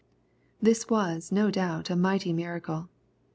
This was, no doubt, a mighty miracle.